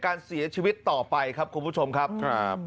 การเสียชีวิตต่อไปครับคุณผู้ชมครับ